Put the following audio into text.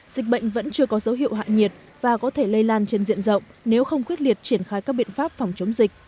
dịch bệnh vẫn chưa có dấu hiệu hạ nhiệt và có thể lây lan trên diện rộng nếu không quyết liệt triển khai các biện pháp phòng chống dịch